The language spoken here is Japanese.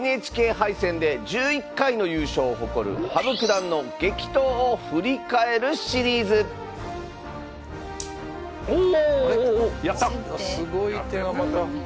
ＮＨＫ杯戦で１１回の優勝を誇る羽生九段の激闘を振り返るシリーズすごい手がまた。